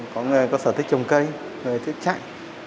có người có sở thích trồng cây thích chạy